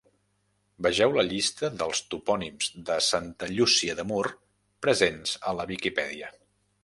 Vegeu la llista dels Topònims de Santa Llúcia de Mur presents a la Viquipèdia.